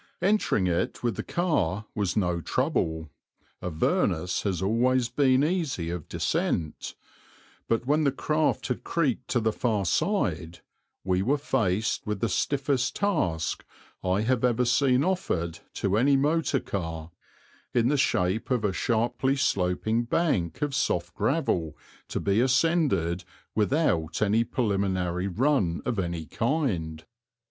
Entering it with the car was no trouble; Avernus has always been easy of descent; but when the craft had creaked to the far side we were faced with the stiffest task I have ever seen offered to any motor car in the shape of a sharply sloping bank of soft gravel to be ascended without any preliminary run of any kind.